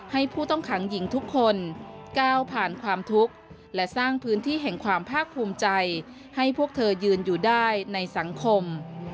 ผู้ต้องขังหญิงทุกคนก้าวผ่านความทุกข์และสร้างพื้นที่แห่งความภาคภูมิใจให้พวกเธอยืนอยู่ได้ในสังคม